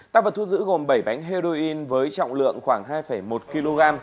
tăng vật thu giữ gồm bảy bánh heroin với trọng lượng khoảng hai một kg